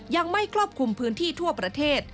ยังไม่ครอบคลุมพื้นที่ทั่วประเทศ